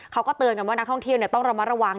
เขาก็เตือนกันว่านักท่องเที่ยวต้องระมัดระวัง